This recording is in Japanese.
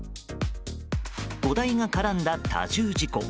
５台が絡んだ多重事故。